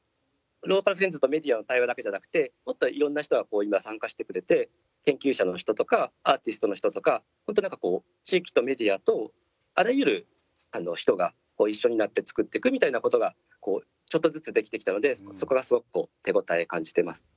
ローカルフレンズとメディアの対話だけじゃなくてもっといろんな人が今参加してくれて、研究者の人とかアーティストの人とか本当なんか本当に地域とメディアとあらゆる人が一緒になって作っていくみたいなことがちょっとずつ、できてきたのでそこがすごく手応え感じています。